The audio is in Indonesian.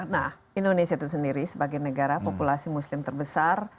nah indonesia itu sendiri sebagai negara populasi muslim terbesar